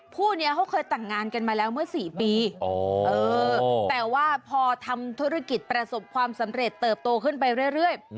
คู่นี้เขาเคยแต่งงานกันมาแล้วเมื่อ๔ปีแต่ว่าพอทำธุรกิจประสบความสำเร็จเติบโตขึ้นไปเรื่อย